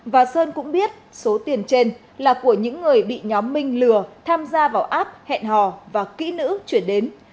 và sơn cũng biết số tiền trên là của những người bị nhóm minh lừa tham gia vào app hẹn hò và kỹ nữ chuyển đến